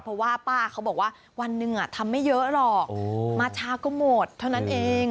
เพราะว่าป้าเขาบอกว่าวันหนึ่งทำไม่เยอะหรอกมาช้าก็หมดเท่านั้นเอง